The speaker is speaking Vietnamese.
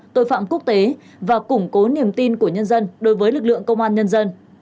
tội phạm quốc tế và củng cố niềm tin của nhân dân đối với lực lượng công an nhân dân